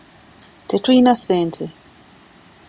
Tetuyina ssente.